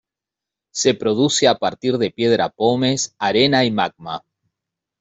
Se produce a partir de piedra pómez, arena y magma.